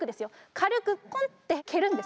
軽くコンッて蹴るんですね。